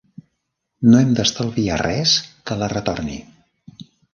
No hem d'estalviar res que la retorni.